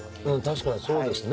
確かにそうですね。